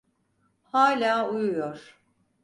Hâlâ uyuyor.